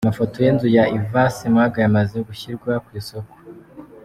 Amafoto y’inzu ya Ivan Ssemwanga yamaze gushyirwa ku Isoko:.